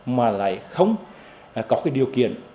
mà lại không có cái điều kiện